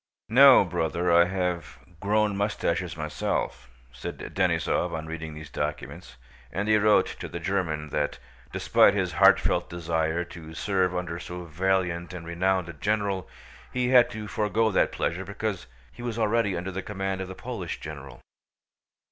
"No, bwother, I have gwown mustaches myself," said Denísov on reading these documents, and he wrote to the German that, despite his heartfelt desire to serve under so valiant and renowned a general, he had to forgo that pleasure because he was already under the command of the Polish general.